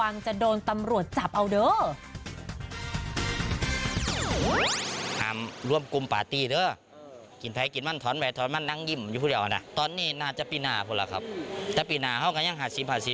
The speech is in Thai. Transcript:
งึกงักมันเป็นงึกอย่างงี้